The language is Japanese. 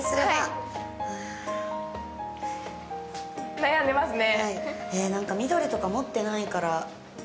悩んでますね。